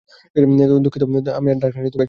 দুঃখিত, আমি আর ডার্ক নাইট একটু ছোঁড়াছুঁড়ি খেলছিলাম।